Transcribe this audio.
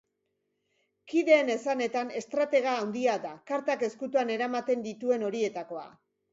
Kideen esanetan, estratega handia da, kartak ezkutuan eramaten dituen horietakoa.